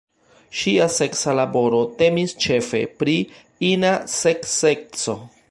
Ŝia seksa laboro temis ĉefe pri ina sekseco.